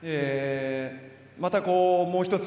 またもう一つ